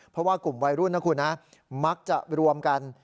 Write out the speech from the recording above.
เพราะว่ากลุ่มวัยรุ่นนะคุณนะมักจะรวมกัน